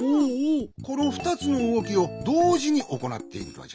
このふたつのうごきをどうじにおこなっているのじゃ。